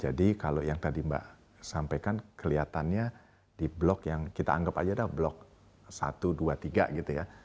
kalau yang tadi mbak sampaikan kelihatannya di blok yang kita anggap aja ada blok satu dua tiga gitu ya